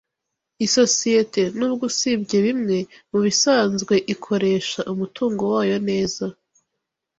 Isosiyete, nubwo usibye bimwe, mubisanzwe ikoresha umutungo wayo neza.